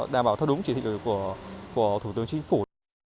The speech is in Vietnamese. đảm bảo thất đúng chỉ thịnh của thủ tướng chính phủ